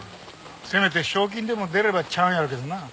せめて賞金でも出ればちゃうんやろうけどな。